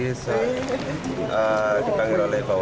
yang terkait dengan pemanggilan bapak lanyala mataliti